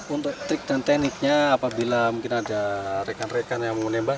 untuk trik dan tekniknya apabila mungkin ada rekan rekan yang menembak